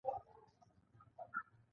د بخارۍ کارونه د یخنۍ د شدت کمولو لپاره دی.